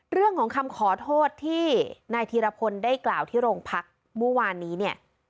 เรื่องของคำขอโทษที่นายธีรพลได้กล่าวที่โรงพักเมื่อวานนี้เนี่ย